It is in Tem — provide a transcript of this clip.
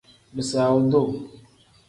Bisaawu duu.